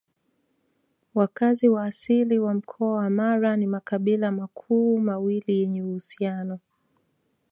Wakazi wa asili wa Mkoa wa Mara ni makabila makuu mawili yenye uhusiano